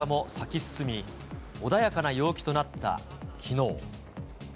早咲きの桜も咲き進み、穏やかな陽気となったきのう。